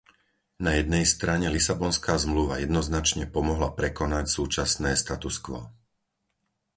Na jednej strane Lisabonská zmluva jednoznačne pomohla prekonať súčasné status quo.